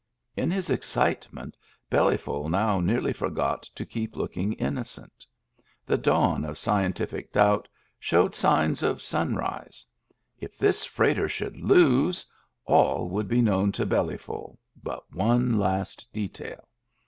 In his excitement Belly ful now nearly forgot to keep looking innocent. The dawn of scientific doubt showed signs of sunrise ; if this freighter should lose, all would be known to Bellyful but one last detail.